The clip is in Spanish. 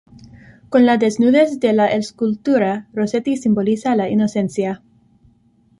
Con la desnudez de la escultura, Rosetti simboliza la inocencia.